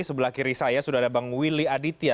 sebelah kiri saya sudah ada bang willy aditya